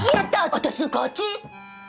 私の勝ち。